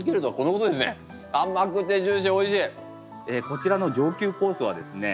こちらの上級コースはですね